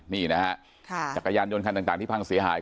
นี่นะฮะจักรยานยนต์คันต่างที่พังเสียหาย